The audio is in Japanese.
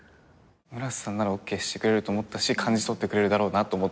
村瀬さんならＯＫしてくれると思ったし感じ取ってくれるだろうなと思って撮ってましたあれは。